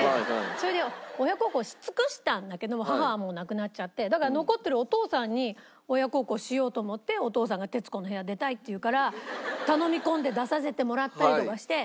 それで親孝行し尽くしたんだけど母はもう亡くなっちゃってだから残ってるお父さんに親孝行しようと思ってお父さんが『徹子の部屋』出たいっていうから頼み込んで出させてもらったりとかして。